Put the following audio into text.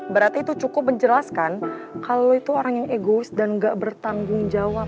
berarti itu cukup menjelaskan kalau itu orang yang egois dan gak bertanggung jawab